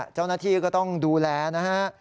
เจ้าหน้าที่ก็ต้องดูแลนะฮะ